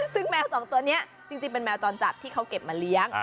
ซึ่งแมวสองตัวนี้จริงเป็นแมวจรจัดที่เขาเก็บมาเลี้ยง